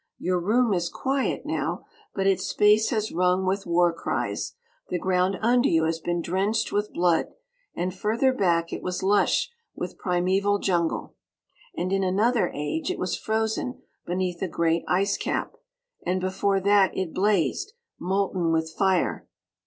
Your room is quiet now, but its space has rung with war cries; the ground under you has been drenched with blood; and further back it was lush with primeval jungle; and in another age it was frozen beneath a great ice cap; and before that it blazed, molten with fire.